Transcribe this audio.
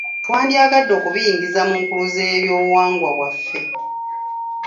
Twandyagadde okubiyingiza mu nkuluze y'ebyobuwangwa bwaffe.